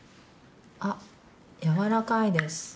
あっやわらかいです。